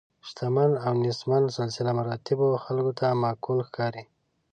شتمن او نیستمن سلسله مراتبو خلکو ته معقول ښکاري.